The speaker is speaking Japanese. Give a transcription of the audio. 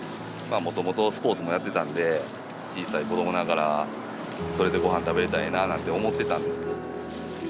もともとスポーツもやってたんで小さい子どもながら「それでごはん食べれたらええな」なんて思ってたんですけど。